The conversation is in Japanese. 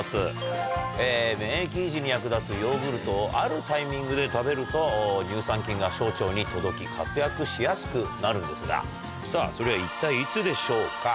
免疫維持に役立つヨーグルトをあるタイミングで食べると乳酸菌が小腸に届き活躍しやすくなるんですがそれは一体いつでしょうか？